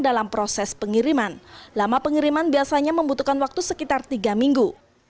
dalam proses pengiriman lama pengiriman biasanya membutuhkan waktu sekitar tiga minggu